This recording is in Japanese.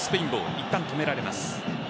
いったん止められます。